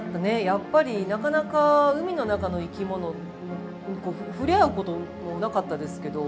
やっぱりなかなか海の中の生きもの触れ合うこともなかったですけど。